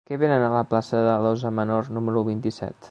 Què venen a la plaça de l'Óssa Menor número vint-i-set?